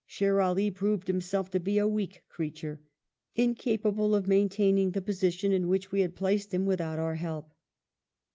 Sher All proved himself to be a weak creature, incapable of maintaining the position in which we had placed him without our help.